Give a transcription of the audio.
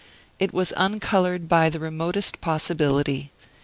It was uncolored by the remotest possibility.